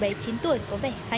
đây tiền thật mày nhầm à